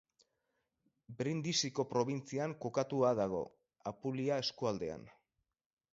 Brindisiko probintzian kokatuta dago, Apulia eskualdean.